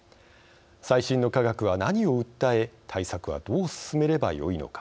最新の科学は何を訴え対策はどう進めればよいのか。